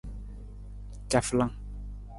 Cafalang.